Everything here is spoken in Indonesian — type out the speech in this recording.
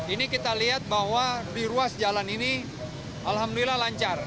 ini kita lihat bahwa di ruas jalan ini alhamdulillah lancar